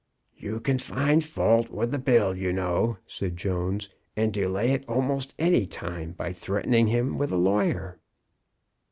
"You can find fault with the bill, you know," said Jones, "and delay it almost any time by threatening him with a lawyer."